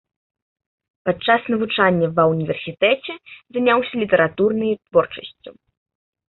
Падчас навучання ва ўніверсітэце заняўся літаратурнай творчасцю.